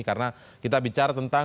karena kita bicara tentang